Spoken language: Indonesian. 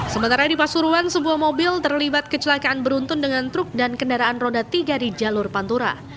sementara di pasuruan sebuah mobil terlibat kecelakaan beruntun dengan truk dan kendaraan roda tiga di jalur pantura